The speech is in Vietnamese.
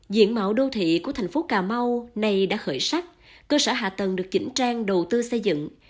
diện mạo đô thị của thành phố cà mau nay đã khởi sắc cơ sở hạ tầng được chỉnh trang đầu tư xây dựng